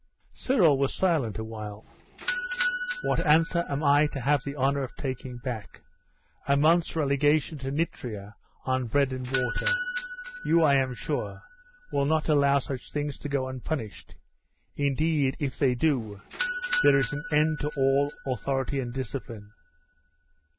Cyril was silent a while. 'What answer am I to have the honour of taking back? A month's relegation to Nitria on bread and water? You, I am sure, will not allow such things to go unpunished; indeed, if they do, there is an end to all authority and discipline.